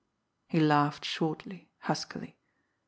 He laughed shortly, huskily.